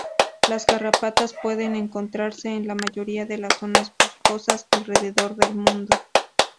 Las garrapatas pueden encontrarse en la mayoría de las zonas boscosas alrededor del mundo.